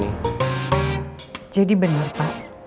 gak ada rasanya